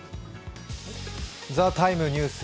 「ＴＨＥＴＩＭＥ，ニュース」